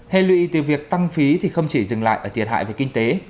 hệ lụy từ việc tăng phí thì không chỉ dừng lại ở thiệt hại về kinh tế